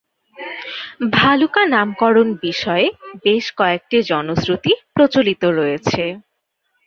ভালুকা নামকরণ বিষয়ে বেশ কয়েকটি জনশ্রুতি প্রচলিত রয়েছে।